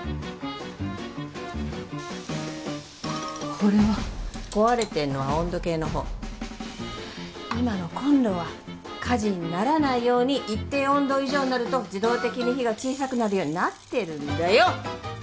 これは壊れてるのは温度計のほう今のコンロは火事にならないように一定温度以上になると自動的に火が小さくなるようになってるんだよ！